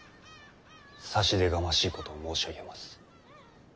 差し出がましいことを申し上げます。